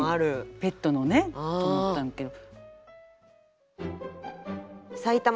ペットのねと思ったんだけど。